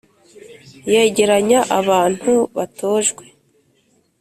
yegeranya abantu batojwe.